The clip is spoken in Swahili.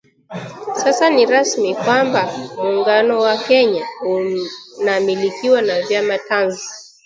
Sasa ni rasmi kwamba Muungano wa Kenya unamilikiwa na vyama tanzu